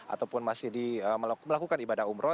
ataupun masih melakukan ibadah umroh